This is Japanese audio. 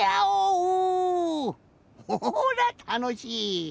ほらたのしい！